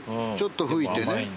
ちょっと拭いてね。